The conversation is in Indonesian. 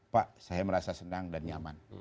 pak saya merasa senang dan nyaman